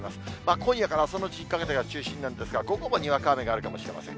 今夜から朝のうちにかけてが中心なんですが、午後もにわか雨があるかもしれません。